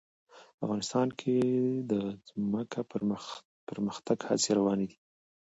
افغانستان کې د ځمکه د پرمختګ هڅې روانې دي.